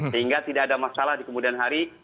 sehingga tidak ada masalah di kemudian hari